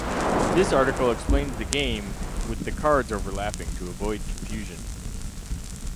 This article explains the game with the cards overlapping to avoid confusion.